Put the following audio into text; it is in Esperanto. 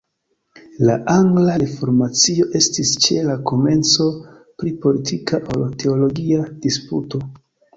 La angla reformacio estis ĉe la komenco pli politika ol teologia disputo.